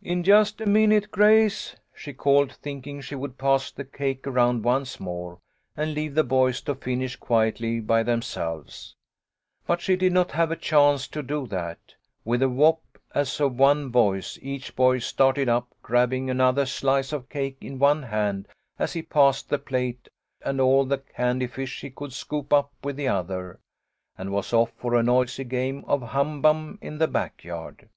"In just a minute, Grace," she called, thinking she would pass the cake around once more, and leave the boys to finish quietly by themselves. But she did not have a chance to do that. With a whoop as 98 THE LITTLE COLONEL'S HOLIDAYS. of one voice, each boy started up, grabbing anothei slice of cake in one hand as he passed the plate, and all the candy fish he could scoop up with the other, and was off for a noisy game of hum bum in the back yard.